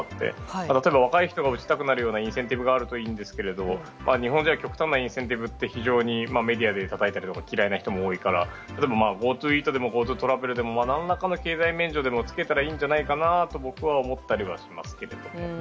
若い人たちが打ちたくなるようなインセンティブがあるといいんですけど日本では極端なインセンティブはメディアで嫌いな人も多いからＧｏＴｏイートでもＧｏＴｏトラベルでも何らかの経済免除をつけたらいいんじゃないかなと僕は思ったりしますけど。